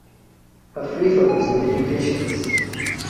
Afrifa was an educationist.